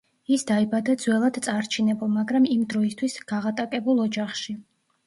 ის დაიბადა ძველად წარჩინებულ, მაგრამ იმ დროისთვის გაღატაკებულ ოჯახში.